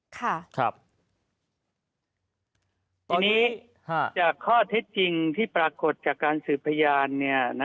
ทีนี้จากข้อเท็จจริงที่ปรากฏจากการสืบพยาน